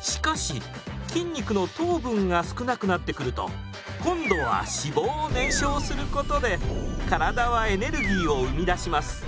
しかし筋肉の糖分が少なくなってくると今度は脂肪を燃焼することで体はエネルギーを生み出します。